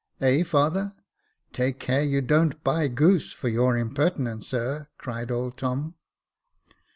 Eh, father ?"" Take care you don't buy goose^ for your imperance, sir," cried old Tom.